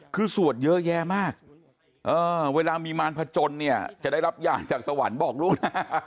คือสวดเยอะแยะมากเวลามีมารพจนเนี่ยจะได้รับอย่างจากสวรรค์บอกลูก